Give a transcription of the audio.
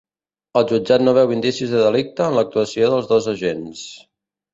El jutjat no veu indicis de delicte en l'actuació dels dos agents